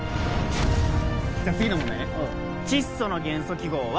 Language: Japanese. じゃ次の問題ね窒素の元素記号は？